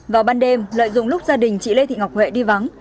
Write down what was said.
vào ban đêm lợi dụng lúc gia đình chị lê thị ngọc huệ đi vắng